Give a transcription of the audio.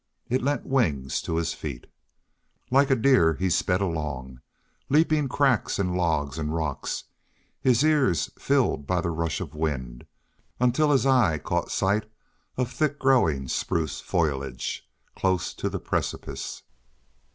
It lent wings to his feet. Like a deer he sped along, leaping cracks and logs and rocks, his ears filled by the rush of wind, until his quick eye caught sight of thick growing spruce foliage close to the precipice.